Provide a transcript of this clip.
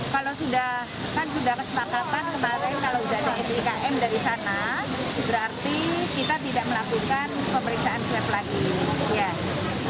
kalau sudah kesepakatan kemarin kalau tidak ada sikm dari sana berarti kita tidak melakukan pemeriksaan web lagi